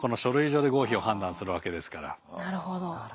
なるほど。